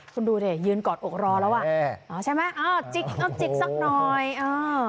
คุณดูดิยืนกอดอกรอแล้วอ่ะอ๋อใช่ไหมอ่าจิกเอ้าจิกสักหน่อยเออ